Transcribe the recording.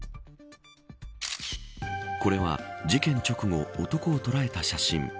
これは、事件直後男を捉えた写真。